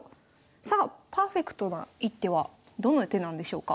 さあパーフェクトな一手はどの手なんでしょうか？